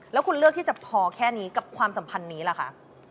แล้วคุณเลือกที่จะพอแค่นี้กับความสัมพันธ์นี้ล่ะคะ